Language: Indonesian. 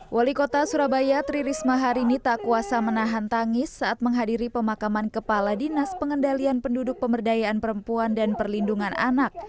wali kota surabaya tri risma hari ini tak kuasa menahan tangis saat menghadiri pemakaman kepala dinas pengendalian penduduk pemberdayaan perempuan dan perlindungan anak